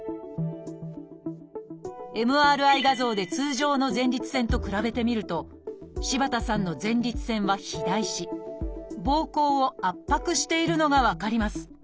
ＭＲＩ画像で通常の前立腺と比べてみると柴田さんの前立腺は肥大しぼうこうを圧迫しているのが分かります。